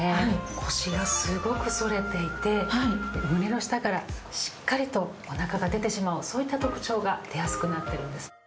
腰がすごく反れていて胸の下からしっかりとお腹が出てしまうそういった特徴が出やすくなってるんです。